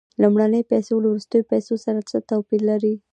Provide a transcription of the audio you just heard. لومړنۍ پیسې له وروستیو پیسو سره څه توپیر لري